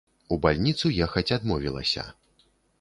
У бальніцу ехаць адмовілася.